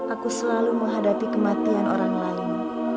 aku selalu menghadapi kematian orang lain